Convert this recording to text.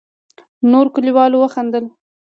نورو کليوالو وخندل.